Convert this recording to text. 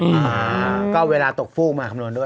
อ่าก็เวลาตกฟูกมาคำนวณด้วย